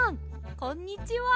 こんにちは！